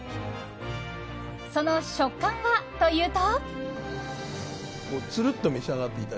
その食感はというと。